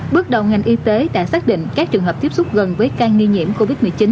bước đầu ngành y tế đã xác định các trường hợp tiếp xúc gần với ca nghi nhiễm covid một mươi chín